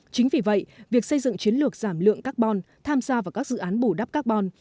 chính vì vậy việc xây dựng chiến lược giảm lượng carbon tham gia vào các dự án bù đắp carbon